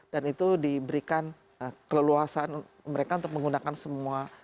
dan itu diberikan keleluasan mereka untuk menggunakan semua